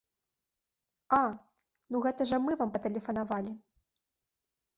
А, ну гэта жа мы вам патэлефанавалі.